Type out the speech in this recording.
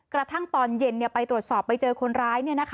กระทั่งตอนเย็นไปตรวจสอบไปเจอคนร้าย